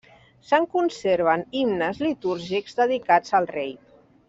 Se'n conserven himnes litúrgics dedicats al rei.